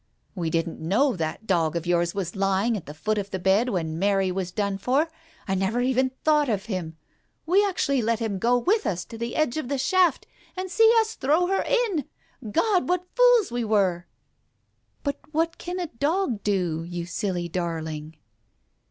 We didn't know that dog of yours was lying at the foot of the bed when Mary was done for : I never even thought of him f We actually let him go with us to the edge of the shaft and see us throw her in ! God, what fools we were !"" But what can a dog do, you silly darling